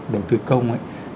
đầu tư công